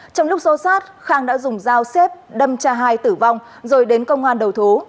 trong lúc xô sát khang đã dùng dao xếp đâm cha hai tử vong rồi đến công an đầu thú